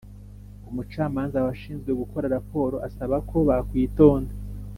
Umucamanza washinzwe gukora raporo asaba ko bakwitonda